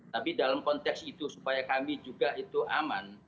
tapi dalam konteks itu supaya kami juga itu aman